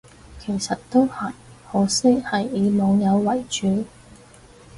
其實都係，可惜係以網友為主